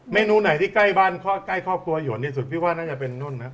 เมนูไหนที่ใกล้บ้านใกล้ครอบครัวหยวนที่สุดพี่ว่าน่าจะเป็นนู่นนะ